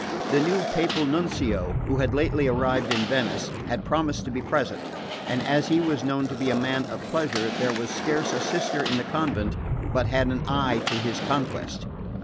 The new Papal Nuncio, who was lately arrived in Venice, had promised to be present; and as he was known to be a man of pleasure there was scarce a sister in the convent but had an eye to his conquest.